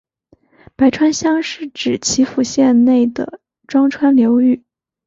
白川乡是指岐阜县内的庄川流域。